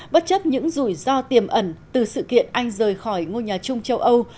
bất chấp những rủi ro tiềm ẩn từ sự kiện anh rời khỏi ngôi nhà chung châu âu